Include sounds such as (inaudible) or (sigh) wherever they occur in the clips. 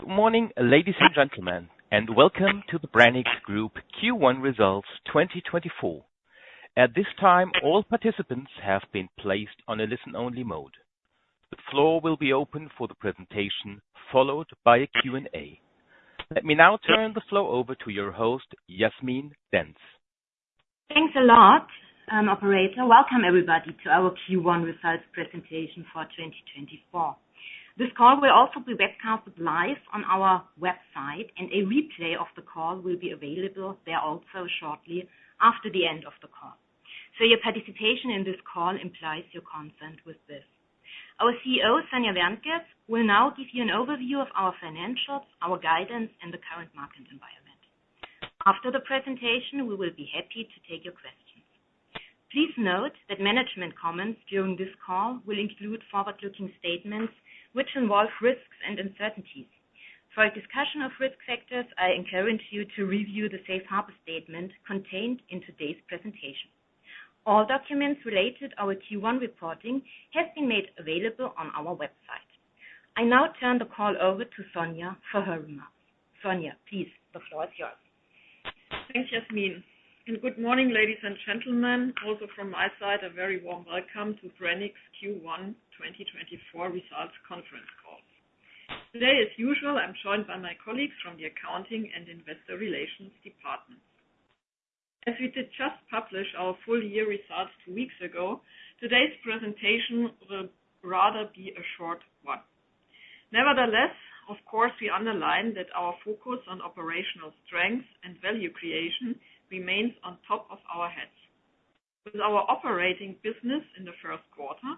Good morning, ladies and gentlemen, and welcome to the Branicks Group Q1 results 2024. At this time, all participants have been placed on a listen only mode. The floor will be open for the presentation, followed by a Q&A. Let me now turn the floor over to your host, Jasmin Dentz. Thanks a lot, operator. Welcome everybody to our Q1 results presentation for 2024. This call will also be webcast live on our website, and a replay of the call will be available there also shortly after the end of the call. Your participation in this call implies your consent with this. Our CEO, Sonja Wärntges, will now give you an overview of our financials, our guidance, and the current market environment. After the presentation, we will be happy to take your questions. Please note that management comments during this call will include forward-looking statements, which involve risks and uncertainties. For a discussion of risk factors, I encourage you to review the safe harbor statement contained in today's presentation. All documents related our Q1 reporting have been made available on our website. I now turn the call over to Sonja for her remarks. Sonja, please, the floor is yours. Thanks, Jasmin, and good morning, ladies and gentlemen. Also from my side, a very warm welcome to Branicks Q1 2024 results conference call. Today, as usual, I'm joined by my colleagues from the accounting and investor relations departments. As we did just publish our full year results two weeks ago, today's presentation will rather be a short one. Nevertheless, of course, we underline that our focus on operational strength and value creation remains on top of our heads. With our operating business in the first quarter,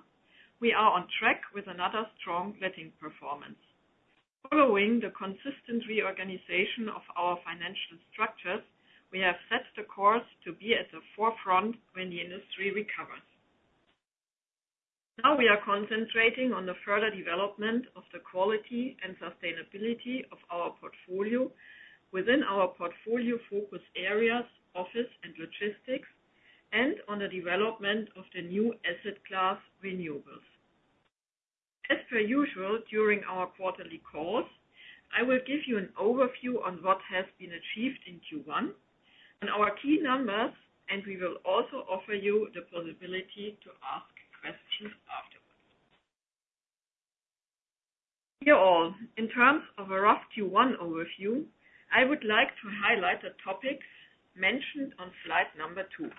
we are on track with another strong letting performance. Following the consistent reorganization of our financial structures, we have set the course to be at the forefront when the industry recovers. We are concentrating on the further development of the quality and sustainability of our portfolio within our portfolio focus areas, office and logistics, and on the development of the new asset class renewables. As per usual, during our quarterly calls, I will give you an overview on what has been achieved in Q1 and our key numbers, and we will also offer you the possibility to ask questions afterwards. Dear all, in terms of a rough Q1 overview, I would like to highlight the topics mentioned on slide number two.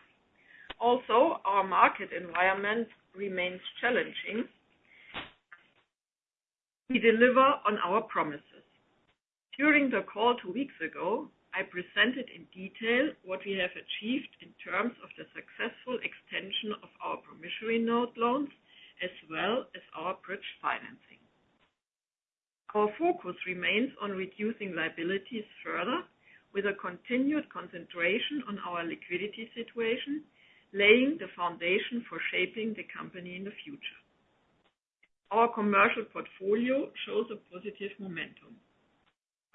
Our market environment remains challenging. We deliver on our promises. During the call two weeks ago, I presented in detail what we have achieved in terms of the successful extension of our promissory note loans, as well as our bridge financing. Our focus remains on reducing liabilities further with a continued concentration on our liquidity situation, laying the foundation for shaping the company in the future. Our commercial portfolio shows a positive momentum.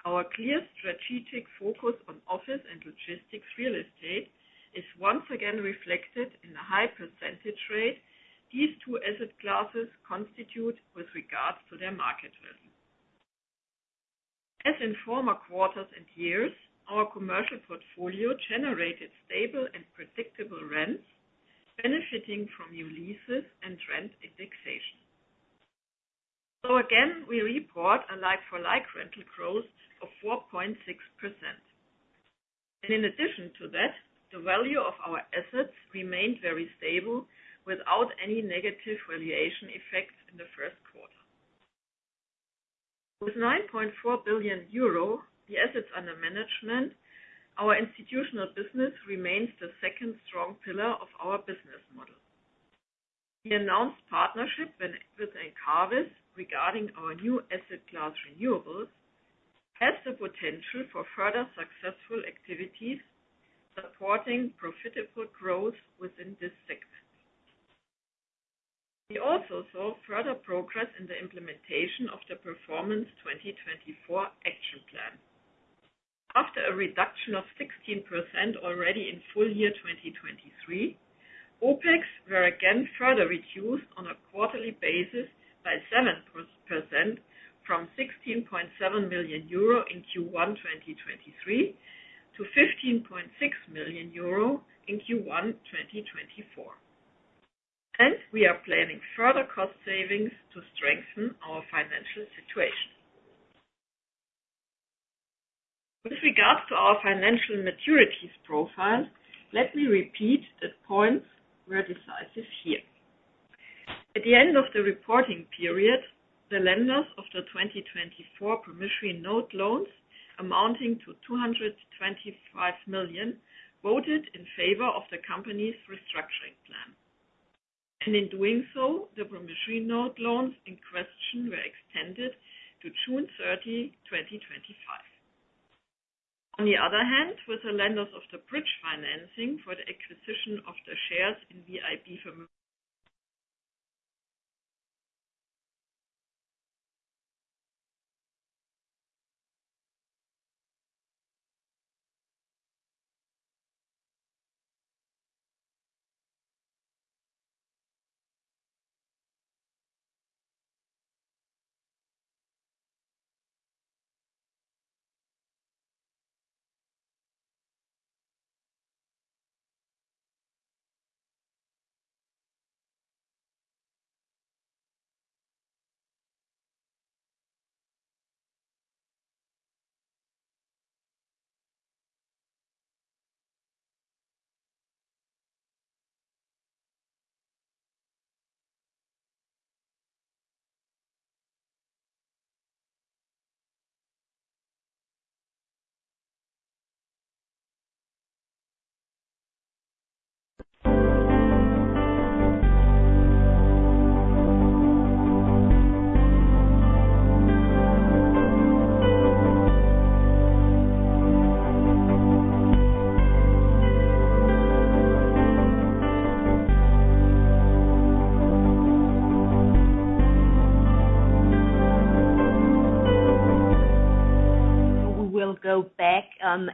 Our clear strategic focus on office and logistics real estate is once again reflected in the high percentage rate these two asset classes constitute with regards to their market value. As in former quarters and years, our commercial portfolio generated stable and predictable rents, benefiting from new leases and rent indexation. Again, we report a like-for-like rental growth of 4.6%. In addition to that, the value of our assets remained very stable without any negative valuation effects in the first quarter. With 9.4 billion euro, the assets under management, our institutional business remains the second strong pillar of our business model. The announced partnership with Encavis regarding our new asset class renewables, has the potential for further successful activities, supporting profitable growth within this segment. We also saw further progress in the implementation of the Performance 2024 action plan. After a reduction of 16% already in full year 2023, OpEx were again further reduced on a quarterly basis by 7%, from 16.7 million euro in Q1 2023, to 15.6 million euro in Q1 2024. We are planning further cost savings to strengthen our financial situation. With regards to our financial maturities profile, let me repeat that points were decisive here. At the end of the reporting period, the lenders of the 2024 promissory note loans amounting to 225 million, voted in favor of the company's restructuring plan. In doing so, the promissory note loans in question were extended to June 30, 2025. On the other hand, with the lenders of the bridge financing for the acquisition of the shares in VIB. We will go back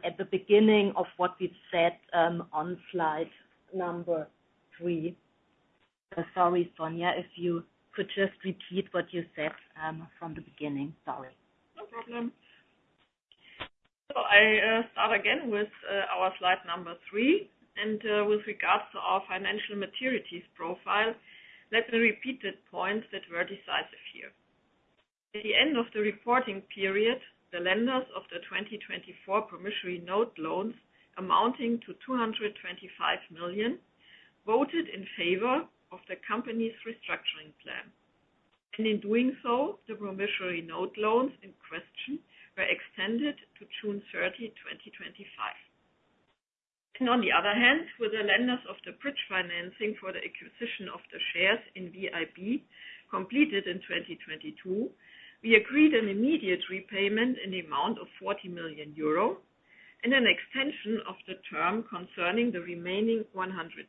at the beginning of what we've said on slide number three. Sorry, Sonja, if you could just repeat what you said from the beginning. Sorry. I start again with our slide number three, with regards to our financial maturities profile, let me repeat the points that were decisive here. At the end of the reporting period, the lenders of the 2024 promissory note loans amounting to 225 million voted in favor of the company's restructuring plan. In doing so, the promissory note loans in question were extended to June 30, 2025. On the other hand, with the lenders of the bridge financing for the acquisition of the shares in VIB completed in 2022, we agreed an immediate repayment in the amount of 40 million euro, an extension of the term concerning the remaining 160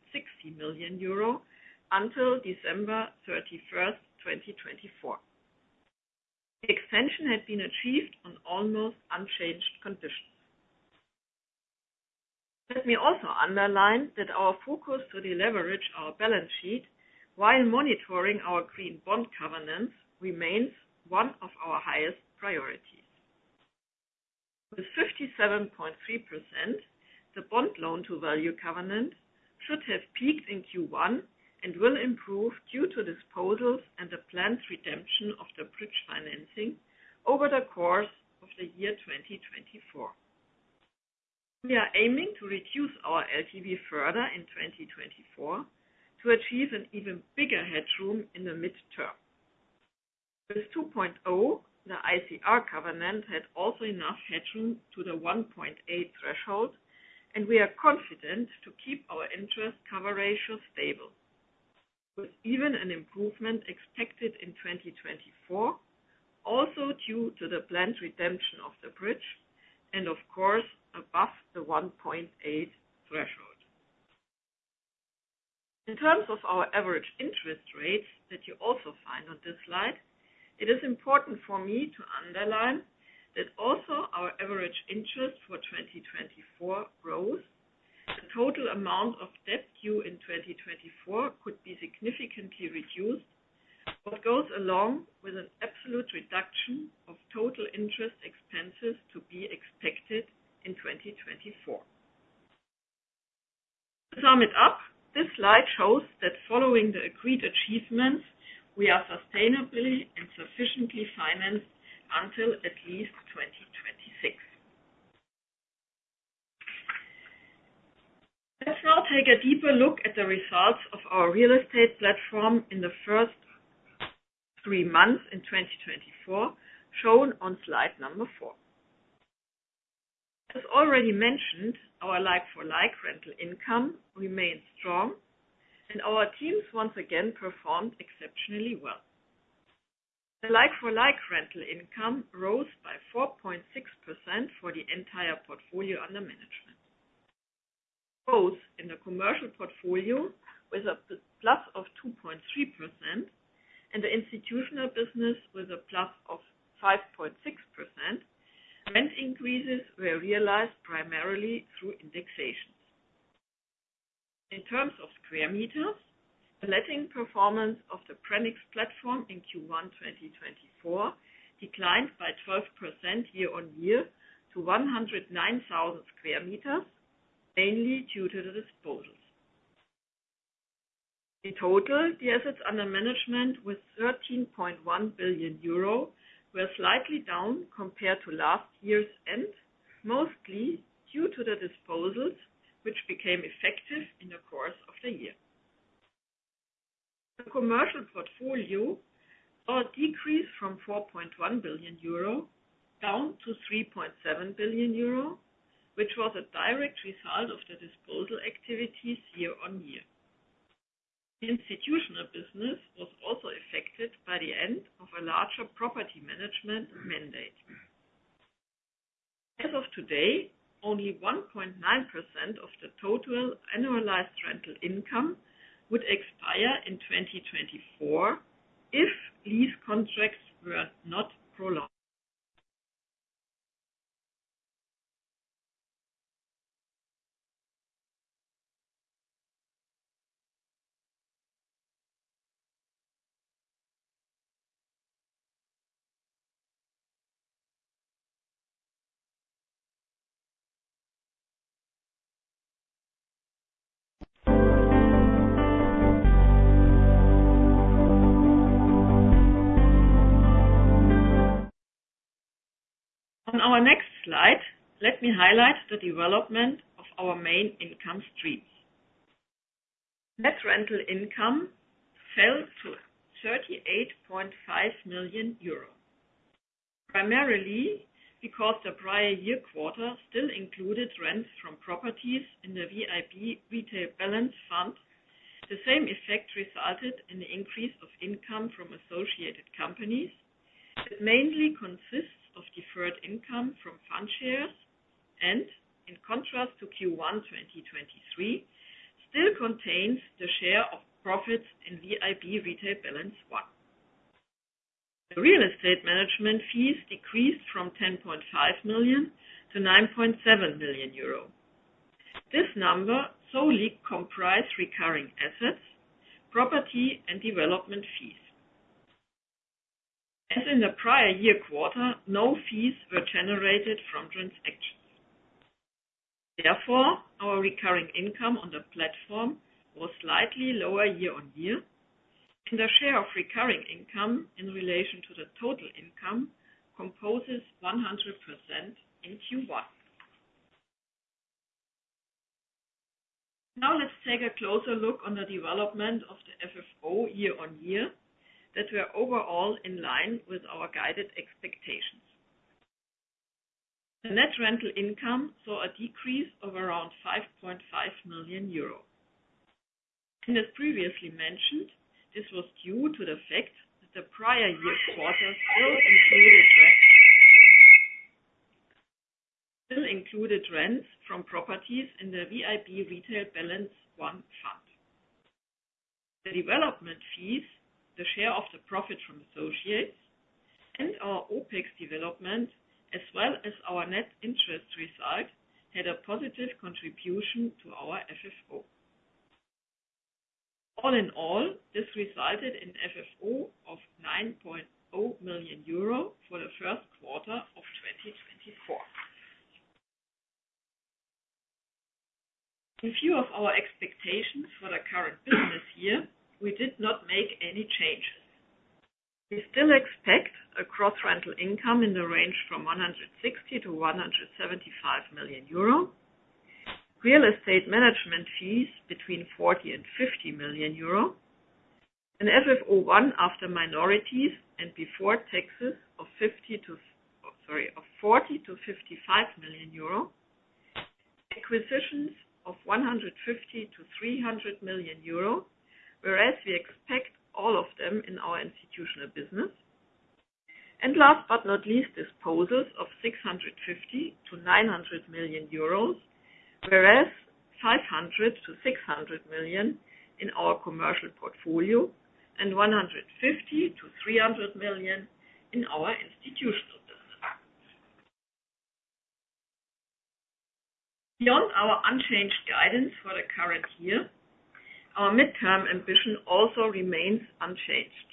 million euro until December 31, 2024. The extension had been achieved on almost unchanged conditions. Let me also underline that our focus to deleverage our balance sheet while monitoring our green bond covenants remains one of our highest priorities. With 57.3%, the bond loan to value covenant should have peaked in Q1 and will improve due to disposals and the planned redemption of the bridge financing over the course of 2024. We are aiming to reduce our LTV further in 2024 to achieve an even bigger headroom in the midterm. With 2.0, the ICR covenant has also enough headroom to the 1.8 threshold, we are confident to keep our interest cover ratio stable. With even an improvement expected in 2024, also due to the planned redemption of the bridge, of course, above the 1.8 threshold. In terms of our average interest rates that you also find on this slide, it is important for me to underline that also our average interest for 2024 growth, the total amount of debt due in 2024 could be significantly reduced. What goes along with an absolute reduction of total interest expenses to be expected in 2024. To sum it up, this slide shows that following the agreed achievements, we are sustainably and sufficiently financed until at least 2026. Let's now take a deeper look at the results of our real estate platform in the first three months in 2024, shown on slide number four. As already mentioned, our like-for-like rental income remains strong, our teams once again performed exceptionally well. The like-for-like rental income rose by 4.6% for the entire portfolio under management, both in the commercial portfolio with a plus of 2.3% and the institutional business with a plus of 5.6%. Rent increases were realized primarily through indexations. In terms of square meters, the letting performance of the Branicks platform in Q1 2024 declined by 12% year-on-year to 109,000 sq m, mainly due to the disposals. In total, the assets under management with 13.1 billion euro were slightly down compared to last year's end, mostly due to the disposals, which became effective in the course of the year. The commercial portfolio saw a decrease from 4.1 billion euro down to 3.7 billion euro, which was a direct result of the disposal activities year-on-year. The institutional business was also affected by the end of a larger property management mandate. As of today, only 1.9% of the total annualized rental income would expire in 2024 if lease contracts were not prolonged. On our next slide, let me highlight the development of our main income streams. Net rental income fell to 38.5 million euros, primarily because the prior year quarter still included rents from properties in the VIB Retail Balance I. The same effect resulted in the increase of income from associated companies. It mainly consists of deferred income from fund shares and, in contrast to Q1 2023, still contains the share of profits in VIB Retail Balance I. The real estate management fees decreased from 10.5 million to 9.7 million euro. This number solely comprise recurring assets, property, and development fees. As in the prior year quarter, no fees were generated from transactions. Our recurring income on the platform was slightly lower year-over-year, and the share of recurring income in relation to the total income composes 100% in Q1. Let's take a closer look on the development of the FFO year-over-year, that were overall in line with our guided expectations. The net rental income saw a decrease of around 5.5 million euros. As previously mentioned, this was due to the fact that the prior year quarter still included rents from properties in the VIB Retail Balance I fund. The development fees, the share of the profit from associates, and our OpEx development, as well as our net interest result, had a positive contribution to our FFO. This resulted in FFO of 9.0 million euro for the first quarter of 2024. In view of our expectations for the current business year, we did not make any changes. We still expect a gross rental income in the range from 160 million to 175 million euro, real estate management fees between 40 million and 50 million euro, an FFO one after minorities and before taxes of 40 million-55 million euro, acquisitions of 150 million-300 million euro, whereas we expect all of them in our institutional business. Last but not least, disposals of 650 million- 900 million euros, whereas 500 million-600 million in our commercial portfolio and 150 million-300 million in our institutional business. Beyond our unchanged guidance for the current year, our midterm ambition also remains unchanged.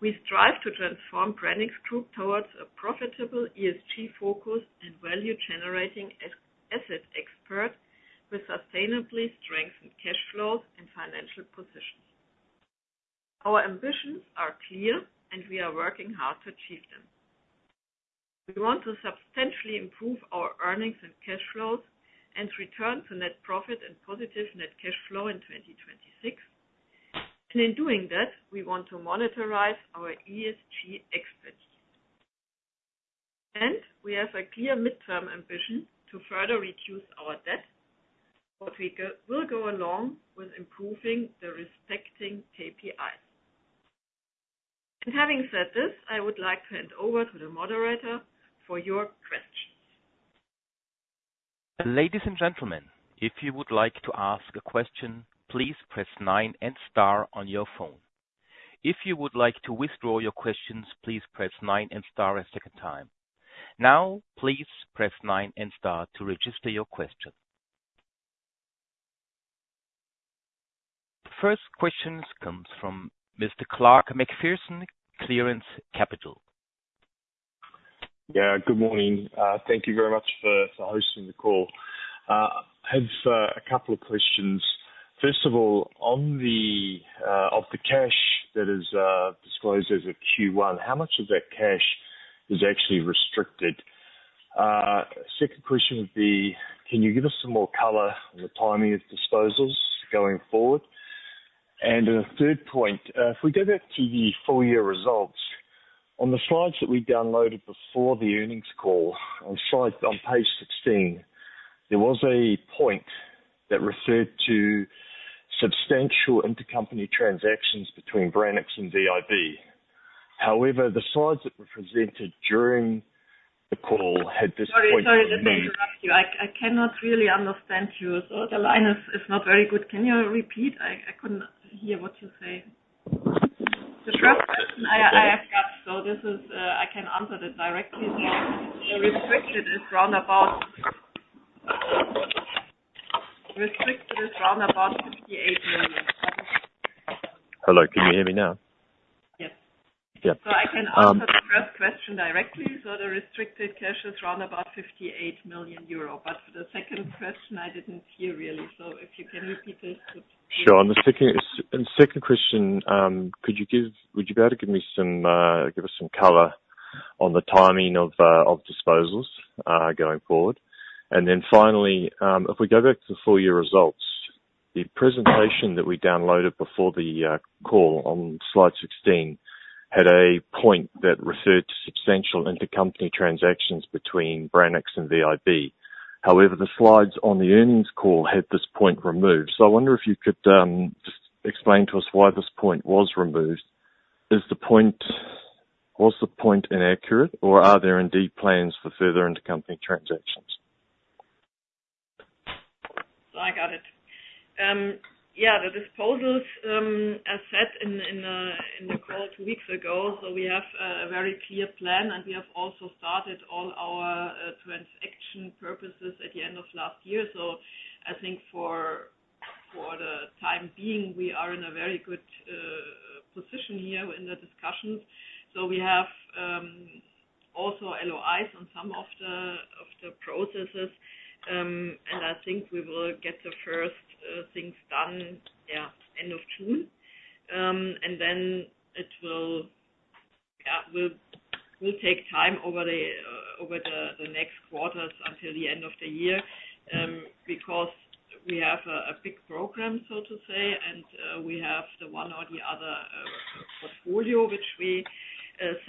We strive to transform Branicks Group towards a profitable ESG focus and value generating asset expert with sustainably strengthened cash flows and financial positions. Our ambitions are clear. We are working hard to achieve them. We want to substantially improve our earnings and cash flows and return to net profit and positive net cash flow in 2026. In doing that, we want to monetize our ESG expertise. We have a clear midterm ambition to further reduce our debt, we will go along with improving the respecting KPIs. Having said this, I would like to hand over to the moderator for your questions. Ladies and gentlemen, if you would like to ask a question, please press nine and star on your phone. If you would like to withdraw your questions, please press nine and star a second time. Now, please press nine and star to register your question. First question comes from Mr. Clark McPherson, Clearance Capital. Yeah. Good morning. Thank you very much for hosting the call. I have a couple of questions. First of all, of the cash that is disclosed as of Q1, how much of that cash is actually restricted? Second question would be, can you give us some more color on the timing of disposals going forward? And then a third point, if we go back to the full year results, on the slides that we downloaded before the earnings call, on page 16, there was a point that referred to substantial intercompany transactions between Branicks and VIB. However, the slides that were presented during the call had this point- Sorry to interrupt you. I cannot really understand you, the line is not very good. Can you repeat? I could not hear what you're saying. The first question, I can answer this directly. The restricted is around about 58 million. Hello, can you hear me now? Yes. Yeah. I can answer the first question directly. The restricted cash is around about 58 million euro. For the second question, I didn't hear really. If you can repeat it. Sure. Second question, would you be able to give us some color on the timing of disposals, going forward? Then finally, if we go back to the full year results, the presentation that we downloaded before the call on slide 16 had a point that referred to substantial intercompany transactions between Branicks and VIB. However, the slides on the earnings call had this point removed. I wonder if you could just explain to us why this point was removed. Was the point inaccurate, or are there indeed plans for further intercompany transactions? I got it. Yeah, the disposals, as said in the call two weeks ago, we have a very clear plan and we have also started all our transaction purposes at the end of last year. I think for the time being, we are in a very good position here in the discussions. We have also LOIs on some of the processes. I think we will get the first things done, yeah, end of June. Then it will take time over the next quarters until the end of the year, because we have a big program, so to say, and we have the one or the other portfolio which we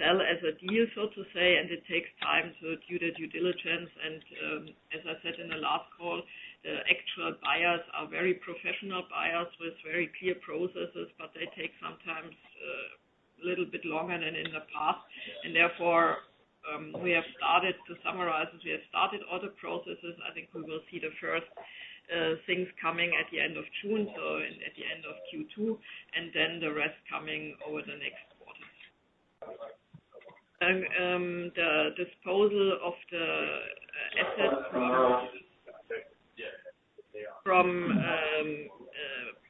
sell as a deal, so to say. It takes time due to due diligence, as I said in the last call, the actual buyers are very professional buyers with very clear processes, but they take sometimes a little bit longer than in the past. Therefore, we have started to summarize and we have started all the processes. I think we will see the first things coming at the end of June, at the end of Q2, the rest coming over the next quarters. Then, the disposal of the assets from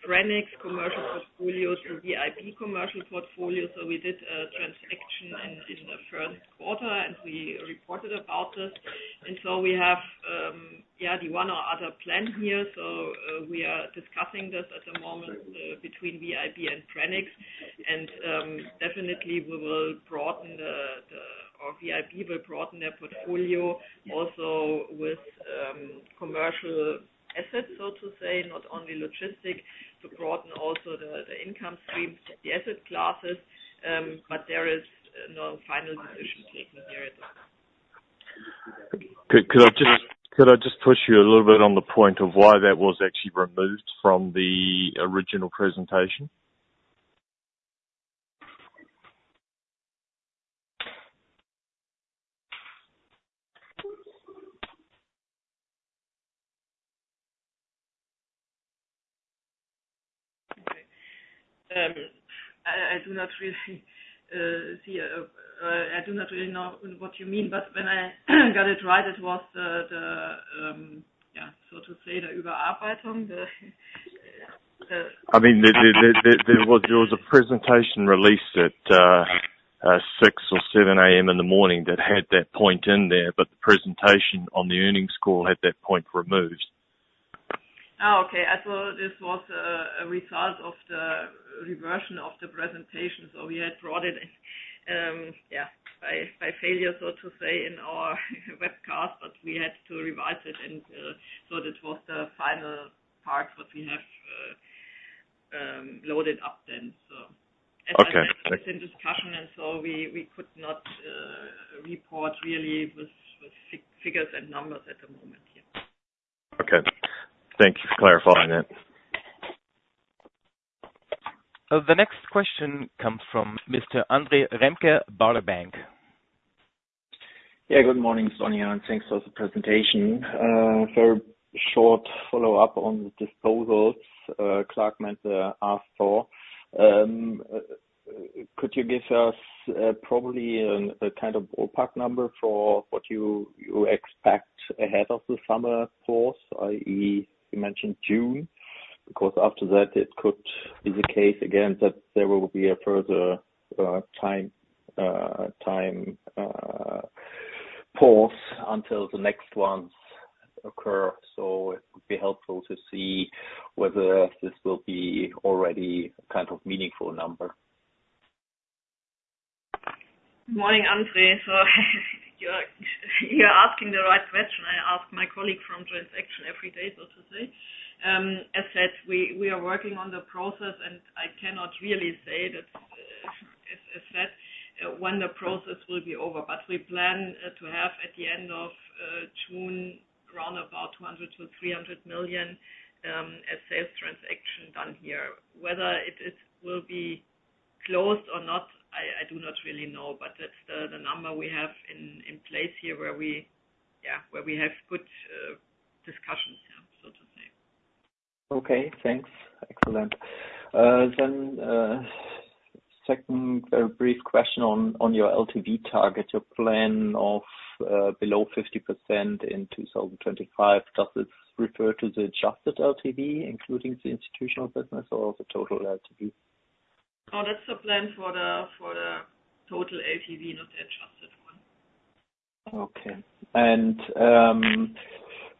Branicks commercial portfolio to VIB commercial portfolio. We did a transaction in the first quarter and we reported about it. We have the one or other plan here. We are discussing this at the moment between VIB and Branicks. Definitely we will broaden or VIB will broaden their portfolio also with commercial assets, so to say, not only logistic, to broaden also the income stream, the asset classes, but there is no final decision taken here at the moment. Could I just push you a little bit on the point of why that was actually removed from the original presentation? Okay. I do not really know what you mean, but when I got it right. I mean, there was a presentation released at 6:00 or 7:00 A.M. in the morning that had that point in there, but the presentation on the earnings call had that point removed. Okay. I thought this was a result of the reversion of the presentation. We had brought it in, by failure, so to say, in our webcast, but we had to revise it and that was the final part that we have loaded up then. Okay. As I said, it's in discussion. We could not report really with figures and numbers at the moment here. Okay. Thank you for clarifying that. The next question comes from Mr. Andre Remke, Baader Bank. Good morning, Sonja, and thanks for the presentation. A very short follow-up on the disposals, Clark meant to ask for. Could you give us probably a kind of ballpark number for what you expect ahead of the summer course, i.e., you mentioned June? After that it could be the case again that there will be a further time pause until the next ones occur. It would be helpful to see whether this will be already a kind of meaningful number. Morning, Andre. You're asking the right question. I ask my colleague from transaction every day, so to say. As said, we are working on the process and I cannot really say that, as I said, when the process will be over. We plan to have at the end of June around about 200 million-300 million as sales transaction done here. Whether it will be closed or not, I do not really know, but that's the number we have in place here where we have good discussions, yeah. Okay, thanks. Excellent. Second very brief question on your LTV target, your plan of below 50% in 2025, does it refer to the adjusted LTV, including the institutional business or the total LTV? That's the plan for the total LTV, not the adjusted one. Okay.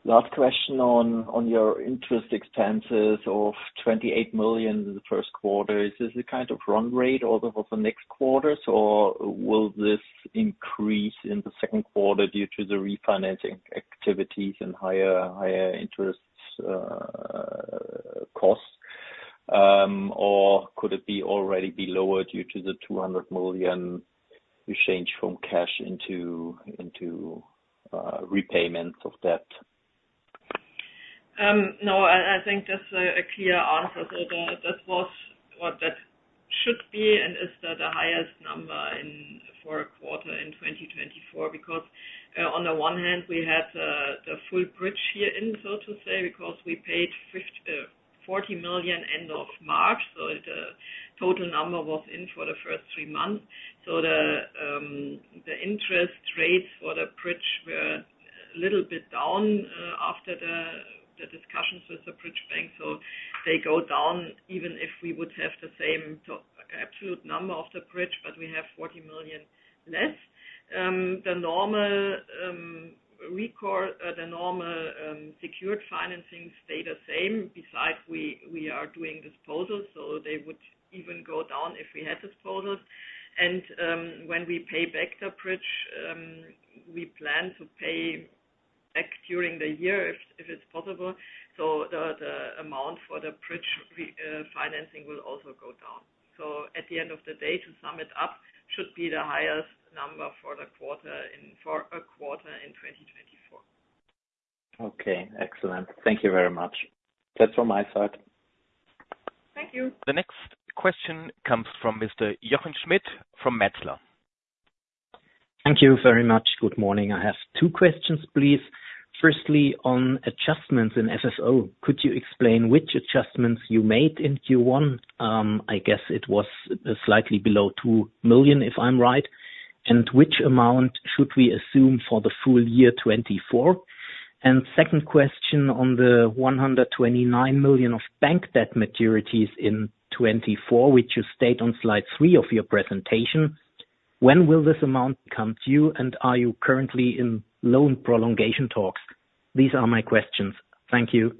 Last question on your interest expenses of 28 million in the first quarter. Is this the kind of run rate over for the next quarters, or will this increase in the second quarter due to the refinancing activities and higher interest costs? Or could it be already be lower due to the 200 million you change from cash into repayment of debt? No, I think that's a clear answer. That was what that should be and is the highest number for a quarter in 2024. On the one hand, we had the full bridge year in, so to say, because we paid 40 million end of March, so the total number was in for the first three months. The interest rates for the bridge were a little bit down after the discussions with the bridge bank. They go down even if we would have the same absolute number of the bridge, but we have 40 million less. The normal secured financing stayed the same. Besides, we are doing disposals, so they would even go down if we had disposals. When we pay back the bridge, we plan to pay back during the year if it's possible. The amount for the bridge financing will also go down. At the end of the day, to sum it up, should be the highest number for a quarter in 2024. Okay, excellent. Thank you very much. That's from my side. Thank you. The next question comes from Mr. Jochen Schmitt from Metzler. Thank you very much. Good morning. I have two questions, please. Firstly, on adjustments in FFO, could you explain which adjustments you made in Q1? I guess it was slightly below 2 million, if I'm right. Which amount should we assume for the full year 2024? Second question on the 129 million of bank debt maturities in 2024, which you state on slide three of your presentation. When will this amount come to you, and are you currently in loan prolongation talks? These are my questions. Thank you.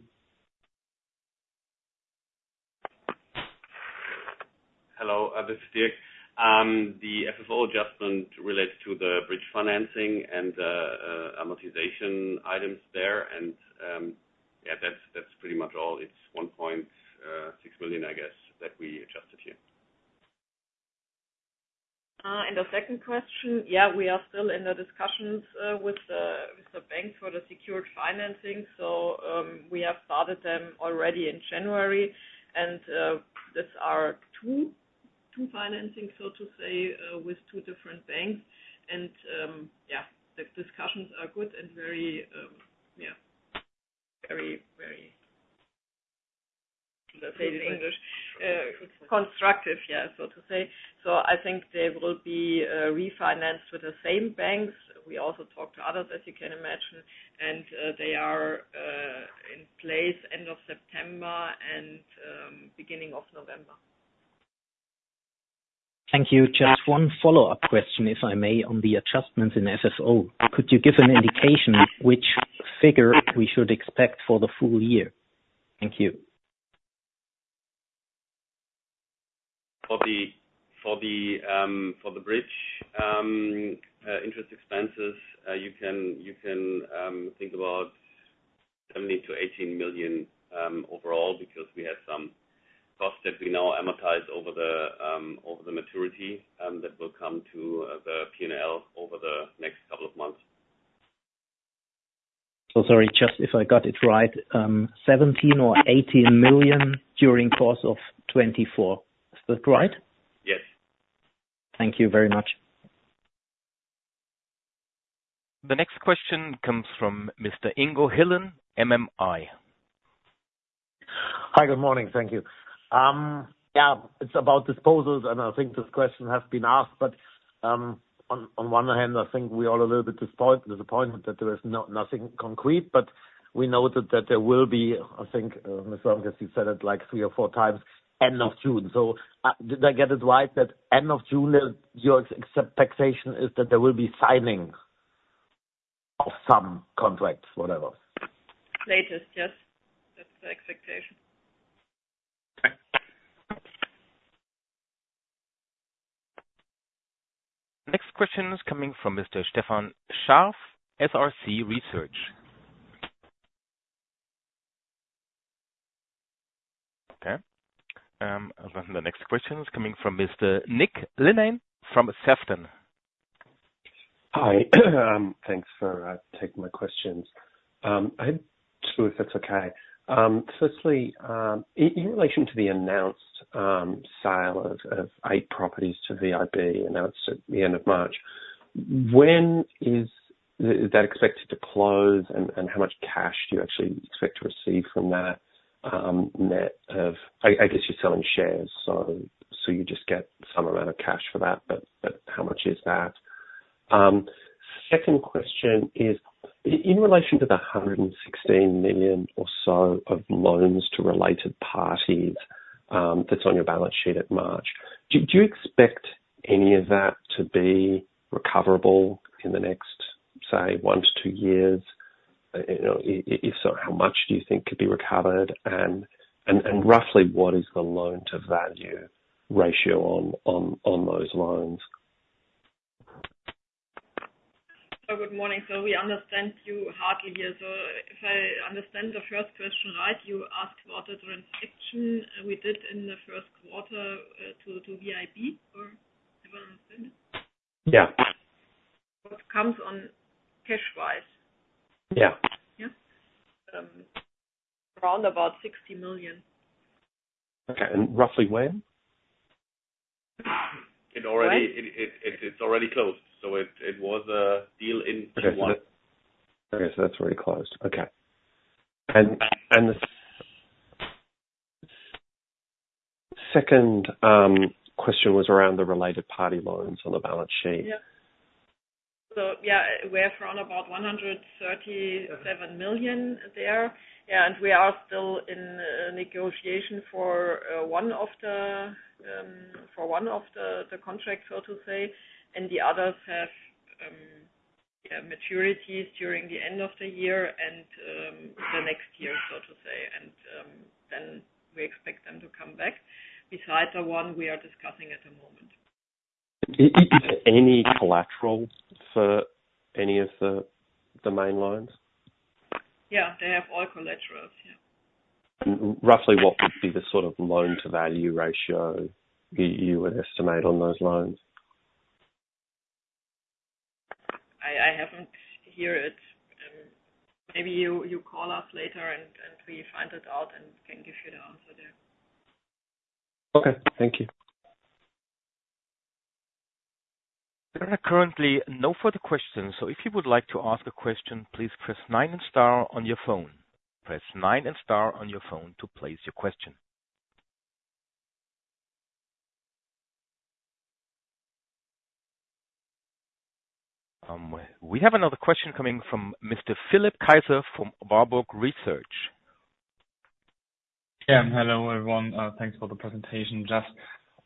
Hello, this is Dirk. The FFO adjustment relates to the bridge financing and the amortization items there, and yeah, that's pretty much all. It's 1.6 million, I guess, that we adjusted here. The second question, yeah, we are still in the discussions with the bank for the secured financing. We have started them already in January, and that's our two financing, so to say, with two different banks. The discussions are good and very constructive, so to say. I think they will be refinanced with the same banks. We also talk to others, as you can imagine. They are in place end of September and beginning of November. Thank you. Just one follow-up question, if I may, on the adjustments in FFO. Could you give an indication which figure we should expect for the full year? Thank you. For the bridge interest expenses, you can think about 17 million-18 million, overall, because we have some costs that we now amortize over the maturity, that will come to the P&L over the next couple of months. Sorry, just if I got it right, 17 million or 18 million during course of 2024. Is that right? Yes. Thank you very much. The next question comes from Mr. Ingo Hillen, MMI. Hi, good morning. Thank you. It's about disposals. I think this question has been asked. On one hand, I think we all a little bit disappointed that there is nothing concrete. We noted that there will be, I think, Ms. Wärntges, you said it like three or four times, end of June. Did I get it right that end of June, your expectation is that there will be signing of some contracts, whatever? Latest, yes. That's the expectation. Okay. Next question is coming from Mr. Stefan Scharff, SRC Research. The next question is coming from Mr. Nick Linnane from Sefton. Hi. Thanks for taking my questions. I have two, if that's okay. Firstly, in relation to the announced sale of eight properties to VIB, announced at the end of March. When is that expected to close, and how much cash do you actually expect to receive from that? I guess you're selling shares, so you just get some amount of cash for that, but how much is that? Second question is, in relation to the 116 million or so of loans to related parties that's on your balance sheet at March, do you expect any of that to be recoverable in the next, say, one to two years? If so, how much do you think could be recovered, and roughly what is the loan-to-value ratio on those loans? Good morning. We understand you hardly hear. If I understand the first question right, you asked about the transaction we did in the first quarter to VIB, or did I understand it? Yeah. What comes on cash-wise? Yeah. Yeah. Around about 60 million. Okay, roughly when? It's already closed. It was a deal in Q1. Okay. That's already closed. Okay. The second question was around the related party loans on the balance sheet. We have around about 137 million there. We are still in negotiation for one of the contracts, so to say. The others have maturities during the end of the year and the next year, so to say. We expect them to come back, besides the one we are discussing at the moment. Is there any collaterals for any of the main loans? They have all collaterals. Roughly what would be the sort of loan-to-value ratio you would estimate on those loans? I haven't hear it. Maybe you call us later and we find it out and can give you the answer there. Okay. Thank you. There are currently no further questions, if you would like to ask a question, please press nine and star on your phone. Press nine and star on your phone to place your question. We have another question coming from Mr. Philipp Kaiser from Warburg Research. Yeah. Hello, everyone. Thanks for the presentation. Just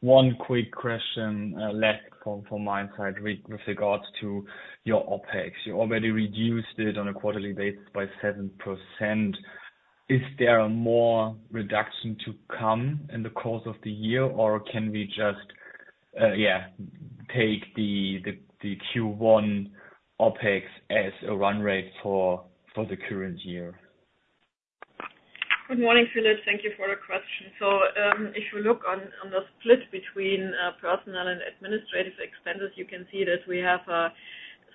one quick question left from my side with regards to your OpEx. You already reduced it on a quarterly basis by 7%. Is there more reduction to come in the course of the year, or can we just take the Q1 OpEx as a run rate for the current year? Good morning, Philipp. Thank you for the question. If you look on the split between personal and administrative expenses, you can see that we have a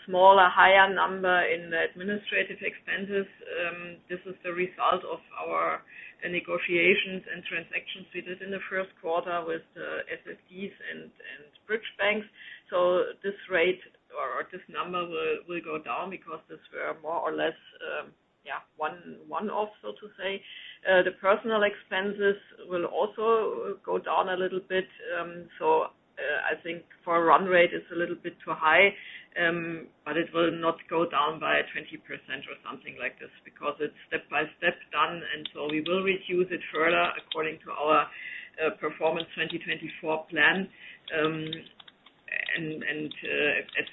smaller, higher number in the administrative expenses. This is the result of our negotiations and transactions we did in the first quarter with the SSDs and bridge banks. This rate or this number will go down because these were more or less one-off, so to say. The personal expenses will also go down a little bit. I think for a run rate, it's a little bit too high, but it will not go down by 20% or something like this because it's step-by-step done. We will reduce it further according to our Performance 2024 plan. As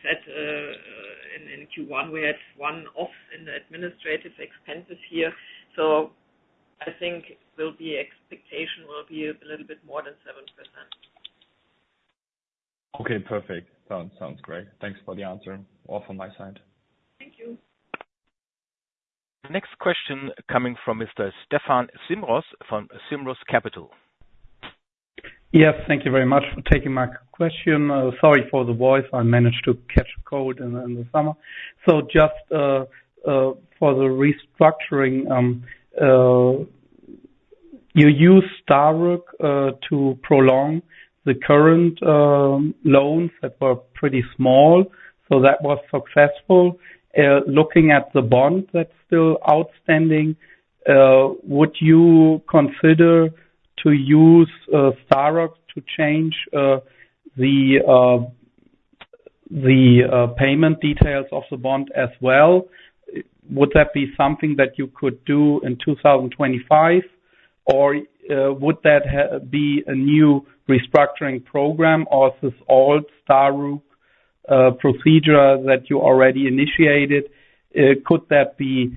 said, in Q1, we had one-off in the administrative expenses here. I think the expectation will be a little bit more than 7%. Okay, perfect. Sounds great. Thanks for the answer. All from my side. Thank you. The next question coming from Mr. Stephan Simmroß from Simmross Capital. Yes. Thank you very much for taking my question. Sorry for the voice. I managed to catch a cold in the summer. Just for the restructuring, you used StaRUG to prolong the current loans that were pretty small, so that was successful. Looking at the bond that's still outstanding, would you consider to use StaRUG to change the payment details of the bond as well? Would that be something that you could do in 2025, or would that be a new restructuring program, or is this old StaRUG procedure that you already initiated, could that be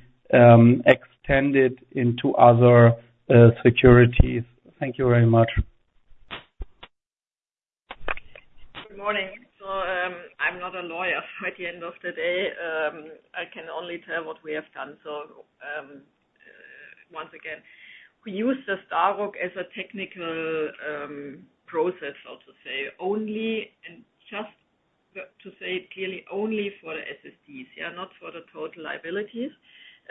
extended into other securities? Thank you very much. Good morning. I'm not a lawyer at the end of the day. I can only tell what we have done. Once again, we use the StaRUG as a technical process, so to say. Only, and just to say it clearly, only for the SSDs, yeah, not for the total liabilities.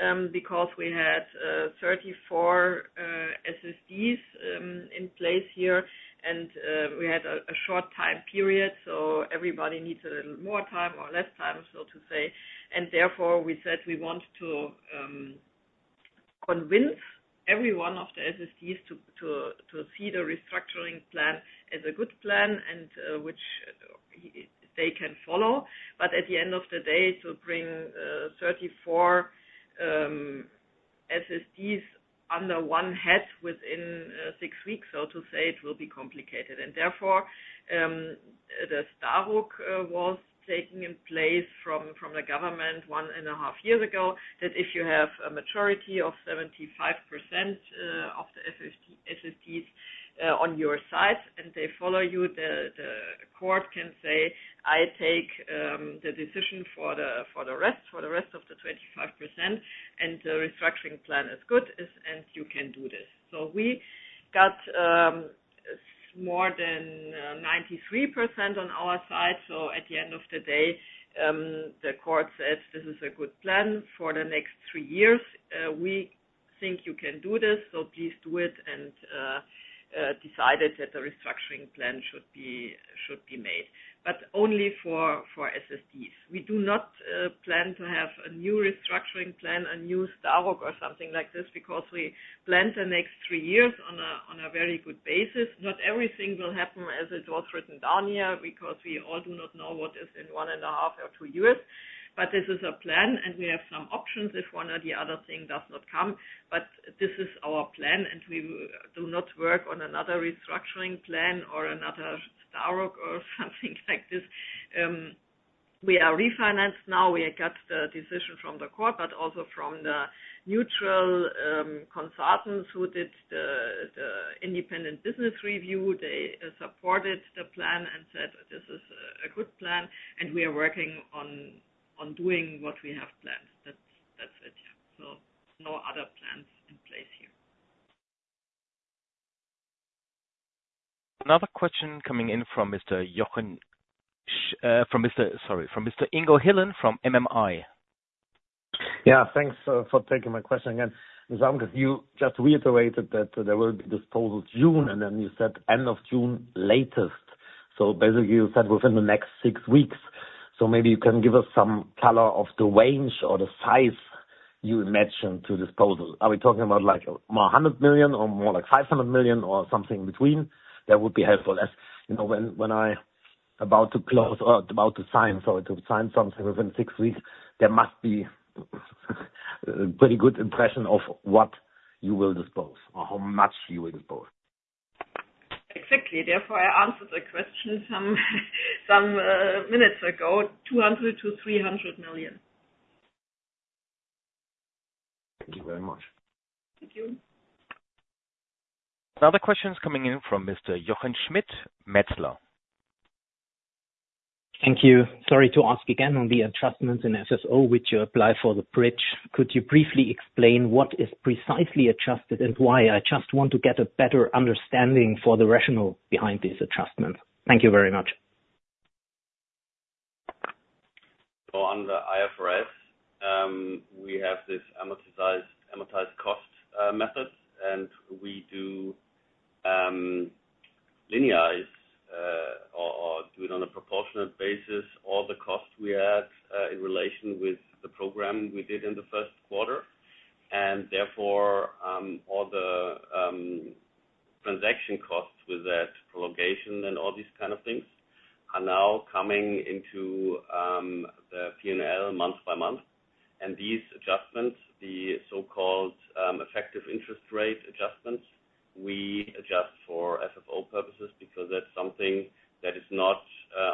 We had 34 SSDs in place here, and we had a short time period, so everybody needs a little more time or less time, so to say. Therefore, we said we want to convince every one of the SSDs to see the restructuring plan as a good plan, and which they can follow. At the end of the day, to bring 34 SSDs under one head within six weeks, so to say, it will be complicated. Therefore, the StaRUG was taking in place from the government 1.5 years ago, that if you have a maturity of 75% of the SSDs on your side and they follow you, the court can say, "I take the decision for the rest of the 25%, and the restructuring plan is good, and you can do this." We got more than 93% on our side. At the end of the day, the court says, "This is a good plan for the next three years. We think you can do this, so please do it," and decided that the restructuring plan should be made, but only for SSDs. We do not plan to have a new restructuring plan, a new StaRUG or something like this, because we plan the next three years on a very good basis. Not everything will happen as it was written down here, because we all do not know what is in one and a half or two years. This is a plan, and we have some options if one or the other thing does not come. This is our plan, and we do not work on another restructuring plan or another StaRUG or something like this. We are refinanced now. We got the decision from the court, but also from the neutral consultants who did the independent business review. They supported the plan and said, "This is a good plan," and we are working on doing what we have planned. That's it, yeah. No other plans in place here. Another question coming in from Mr. Ingo Hillen from MMI. Yeah, thanks for taking my question again. (inaudible) you just reiterated that there will be disposals June, and then you said end of June latest. Basically, you said within the next six weeks. Maybe you can give us some color of the range or the size you imagine to dispose. Are we talking about more 100 million or more like 500 million or something between? That would be helpful. As when I about to close or about to sign something within six weeks, there must be pretty good impression of what you will dispose or how much you will dispose. Exactly. Therefore, I answered the question some minutes ago, EUR 200 million-EUR 300 million. Thank you very much. Thank you. Another question is coming in from Mr. Jochen Schmitt, Metzler. Thank you. Sorry to ask again on the adjustments in FFO, which you apply for the bridge. Could you briefly explain what is precisely adjusted and why? I just want to get a better understanding for the rationale behind these adjustments. Thank you very much. On the IFRS, we have this amortized cost method, and we do linearize or do it on a proportionate basis all the costs we had in relation with the program we did in the first quarter. Therefore, all the transaction costs with that prolongation and all these kind of things are now coming into the P&L month by month. These adjustments, the so-called effective interest rate adjustments, we adjust for FFO purposes because that's something that is not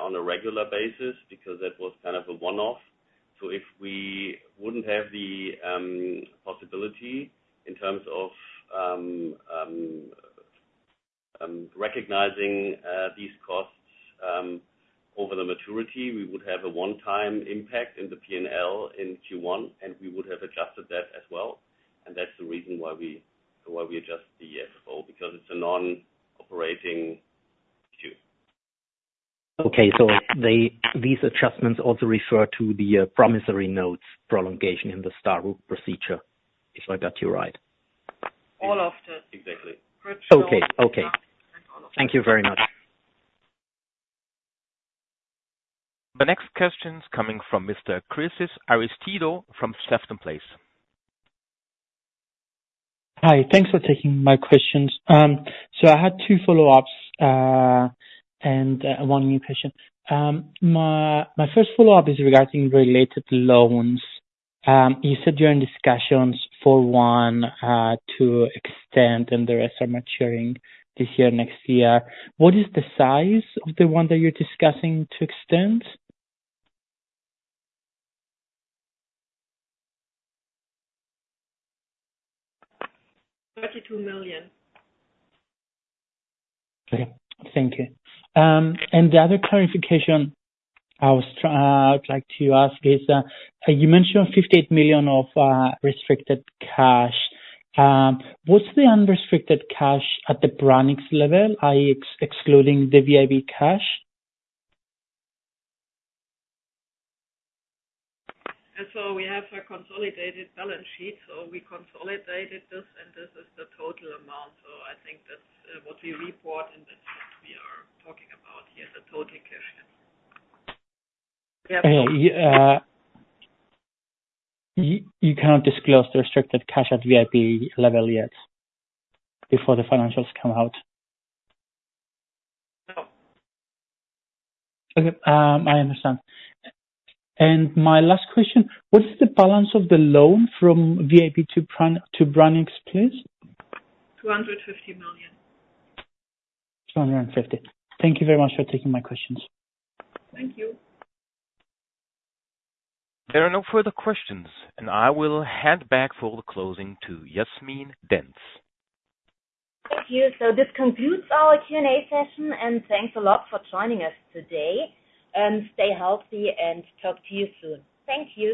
on a regular basis, because that was kind of a one-off. If we wouldn't have the possibility in terms of recognizing these costs over the maturity, we would have a one-time impact in the P&L in Q1, and we would have adjusted that as well. That's the reason why we adjust the FFO, because it's a non-operating item. Okay, these adjustments also refer to the promissory notes prolongation in the StaRUG procedure, if I got you right? All of the- Exactly. Okay. Thank you very much. The next question is coming from Mr. Chrysis Aristidou from Sefton Place. Hi, thanks for taking my questions. I had two follow-ups and one new question. My first follow-up is regarding related loans. You said you're in discussions for one to extend, and the rest are maturing this year, next year. What is the size of the one that you're discussing to extend? EUR 32 million. Okay, thank you. The other clarification I would like to ask is, you mentioned 58 million of restricted cash. What's the unrestricted cash at the Branicks level, i.e., excluding the VIB cash? We have a consolidated balance sheet, we consolidated this and this is the total amount. I think that's what we report, and that's what we are talking about here, the total cash. Yeah. Okay. You cannot disclose the restricted cash at VIB level yet before the financials come out? No. Okay, I understand. My last question, what is the balance of the loan from VIB to Branicks, please? 250 million. 250. Thank you very much for taking my questions. Thank you. There are no further questions, and I will hand back for the closing to Jasmin Dentz. Thank you. This concludes our Q&A session, and thanks a lot for joining us today. Stay healthy, and talk to you soon. Thank you